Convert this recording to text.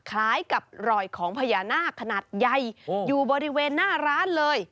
คล้ายกับรอยของพญานาคขนาดใหญ่อยู่บริเวณหน้าร้านเลย